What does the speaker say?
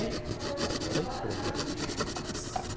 はいこれぐらいでいいと思います。